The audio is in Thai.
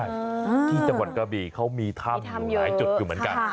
ที่จังหวัดกระบี่เขามีถ้ำอยู่หลายจุดอยู่เหมือนกัน